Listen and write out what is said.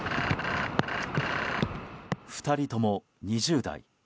２人とも２０代。